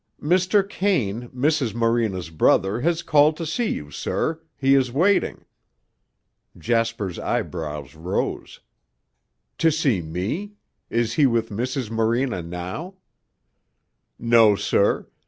"Mr. Kane, Mrs. Morena's brother, has called to see you, sir. He is waiting." Jasper's eyebrows rose. "To see me? Is he with Mrs. Morena now?" "No, sir. Mrs.